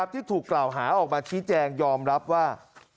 ที่ถูกกล่าวหาออกมาชี้แจงยอมรับว่า